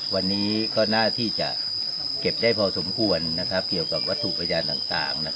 วันนี้ก็น่าที่จะเก็บได้พอสมควรเกี่ยวกับวัตถุพยานต่าง